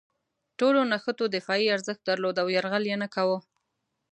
ټولو نښتو دفاعي ارزښت درلود او یرغل یې نه کاوه.